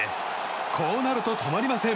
こうなると止まりません。